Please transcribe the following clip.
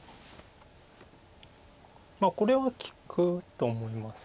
これは利くと思います。